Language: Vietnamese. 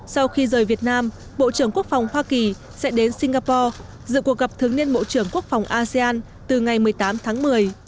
sau khi rời việt nam bộ trưởng quốc phòng hoa kỳ sẽ đến singapore dự cuộc gặp thứ niên bộ trưởng quốc phòng asean từ ngày một mươi tám tháng một mươi